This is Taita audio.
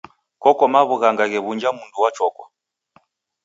Koko maw'ughanga ghe w'unja mundu wa chokwa.